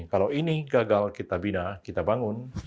kalau ini gagal kita bina kita bangun